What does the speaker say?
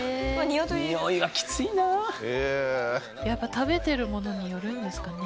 食べてるものによるんですかね。